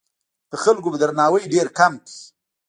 د خلکو درناوی ډېر کم کړ.